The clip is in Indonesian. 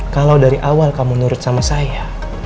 kalau dari awal kamu nurut sama saya